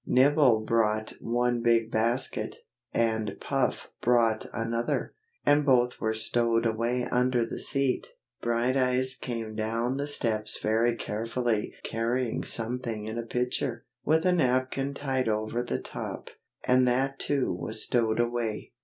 Nibble brought one big basket, and Puff brought another, and both were stowed away under the seat. Brighteyes came down the steps very carefully carrying something in a pitcher, with a napkin tied over the top, and that too was stowed away.